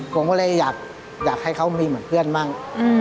ผมก็เลยอยากให้เขามีเหมือนเพื่อนมั่ง